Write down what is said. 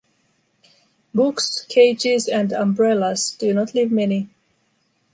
Books, cages and umbrellas, do not leave many.